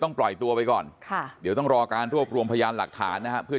จังหวะนั้นได้ยินเสียงปืนรัวขึ้นหลายนัดเลย